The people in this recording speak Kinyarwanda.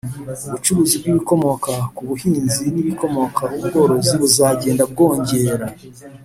ubucuruzi bw'ibikomoka ku buhinzi n' ibikomoka ku bworozi buzagenda bwongera